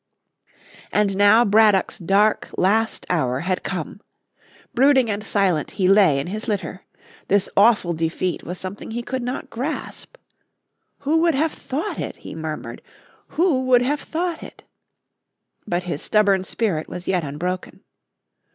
And now Braddock's dark, last hour had come. Brooding and silent he lay in his litter. This awful defeat was something he could not grasp. "Who would have thought it?" he murmured. "Who would have thought it?" But his stubborn spirit was yet unbroken.